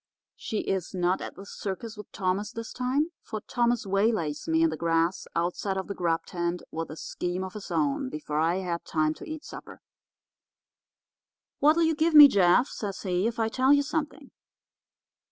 She is not at the circus with Thomas this time, for Thomas waylays me in the grass outside of the grub tent with a scheme of his own before I had time to eat supper. "'What'll you give me, Jeff,' says he, 'if I tell you something?